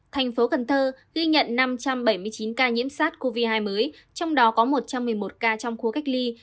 thành phố cần thơ ghi nhận năm trăm bảy mươi chín ca nhiễm sát covid một mươi chín mới trong đó có một trăm một mươi một ca trong khu cách ly